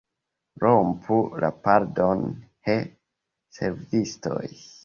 Rompu la pordon, he, servistoj!